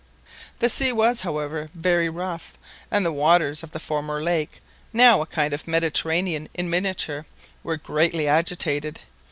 The sea was, however, very rough, and the waters of the former lake—now a kind of Mediterranean in miniature—were greatly agitated.